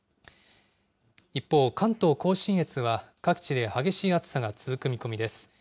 一方、関東甲信越は各地で激しい暑さが続く見込みです。